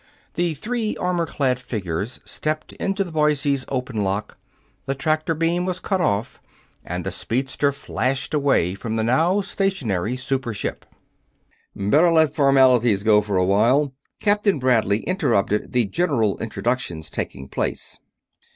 The three armor clad figures stepped into the Boise's open lock, the tractor beam was cut off, and the speedster flashed away from the now stationary super ship. "Better let formalities go for a while," Captain Bradley interrupted the general introductions taking place.